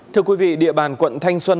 thưa quý vị địa bàn quận thanh xuân